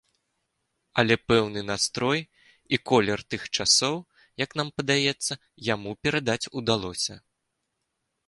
Але пэўны настрой і колер тых часоў, як нам падаецца, яму перадаць удалося.